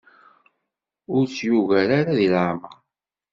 Ur tt-yugar ara di leɛmer.